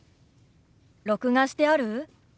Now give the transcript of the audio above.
録画してある？